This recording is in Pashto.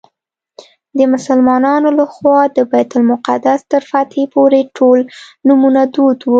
د مسلمانانو له خوا د بیت المقدس تر فتحې پورې ټول نومونه دود وو.